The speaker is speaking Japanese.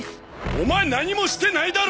オマエ何もしてないだろ！